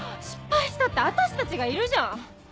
失敗したって私たちがいるじゃん！